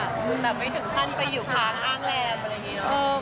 แต่ไม่ถึงขั้นไปอยู่ค้างอ้างแรมอะไรอย่างนี้เนอะ